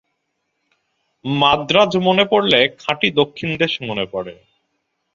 মান্দ্রাজ মনে পড়লে খাঁটি দক্ষিণদেশ মনে পড়ে।